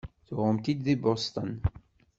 Tuɣem-t-id deg Boston?